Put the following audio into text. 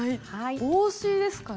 帽子ですかね？